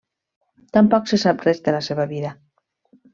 Tampoc se sap res de la seva vida.